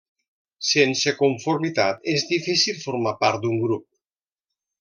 Sense conformitat és difícil formar part d'un grup.